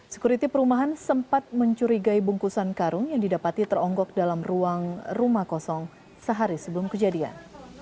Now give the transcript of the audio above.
sekuriti perumahan sempat mencurigai bungkusan karung yang didapati teronggok dalam ruang rumah kosong sehari sebelum kejadian